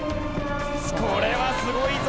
これはすごいぞ！